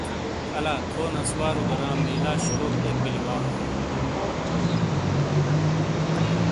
الہ تھو نسوارو گہ رام لیلہ شلوگ اک بلی وا ۔